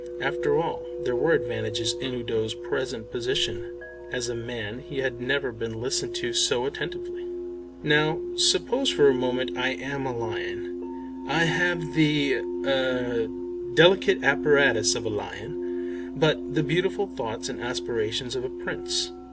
After all there were advantages in Udo's present position. As a man he had never been listened to so attentively. "Now suppose for a moment I am a lion. I have the er delicate apparatus of a lion, but the beautiful thoughts and aspirations of a Prince.